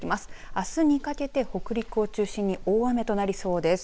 あすにかけて北陸を中心に大雨となりそうです。